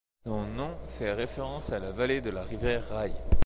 Son nom fait référence à la vallée de la rivière Rye.